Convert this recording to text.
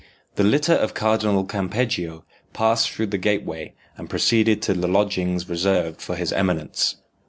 The litter of Cardinal Campeggio passed through the gateway and proceeded to the lodgings reserved for his eminence.